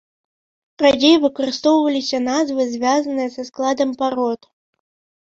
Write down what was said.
Радзей выкарыстоўваліся назвы, звязаныя са складам парод.